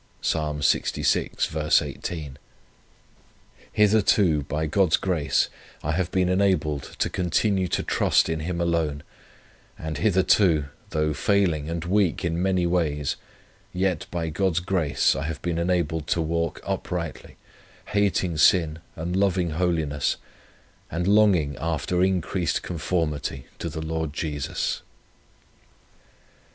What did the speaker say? Psalm lxvi, 18. "Hitherto, by God's grace, I have been enabled to continue to trust in Him alone; and hitherto, though failing and weak in many ways, yet, by God's grace, I have been enabled to walk uprightly, hating sin and loving holiness, and longing after increased conformity to the Lord Jesus.